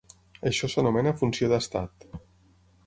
Això s'anomena funció d'estat.